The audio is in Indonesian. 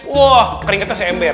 wah keringetnya si ember